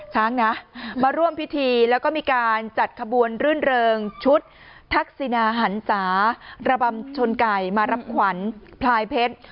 ช้างนะมาร่วมพิธีแล้วก็มีการจัดขบวนรื่นเริงชุดทักษินาหันศาระบำชนไก่มารับขวัญพลายเพชร